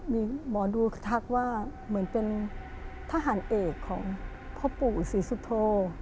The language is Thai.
มีหมอดูทักว่าเหมือนเป็นทหารเอกของพ่อปู่ศรีสุโธ